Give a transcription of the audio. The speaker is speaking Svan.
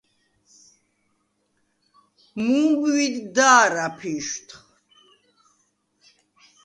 მუ̄მბვიდ და̄რ აფიშვდხ.